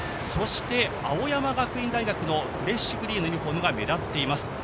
そして、青山学院大学のフレッシュグリーンのユニフォームが目立っています